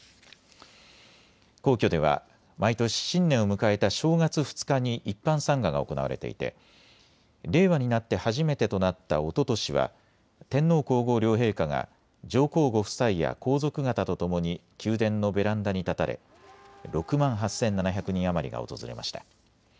皇居では毎年、新年を迎えた正月２日に一般参賀が行われていて令和になって初めてとなったおととしは天皇皇后両陛下が上皇ご夫妻や皇族方とともに宮殿のベランダに立たれ６万８７００人余りが訪れました。